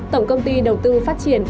tổng công ty đầu tư phát triển